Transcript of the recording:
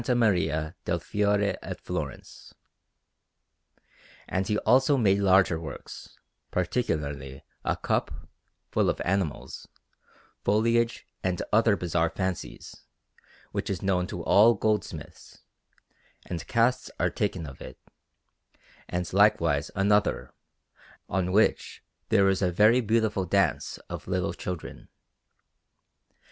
Maria del Fiore at Florence; and he also made larger works, particularly a cup, full of animals, foliage, and other bizarre fancies, which is known to all goldsmiths, and casts are taken of it; and likewise another, on which there is a very beautiful dance of little children.